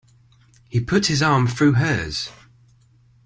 He put his arm through hers.